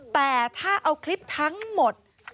แต่ถ้าเอาคลิปทั้งหมด